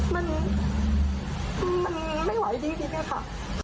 มันมันไม่ไหวดีเลยค่ะ